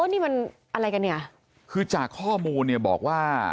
นี่มันอะไรกันเนี่ยคือจากข้อมูลเนี่ยบอกว่า